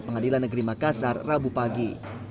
pengadilan negeri makassar rabu pagi